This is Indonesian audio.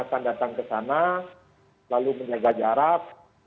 akan datang ke sana lalu menjaga jarak